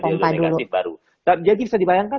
dia negatif baru jadi bisa dibayangkan